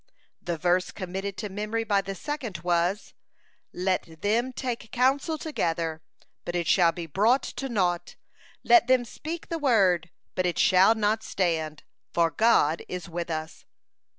The verse committed to memory by the second was: "Let them take counsel together, but it shall be brought to naught; let them speak the word, but it shall not stand; for God is with us."